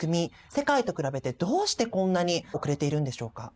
世界と比べてどうしてこんなに遅れているんでしょうか？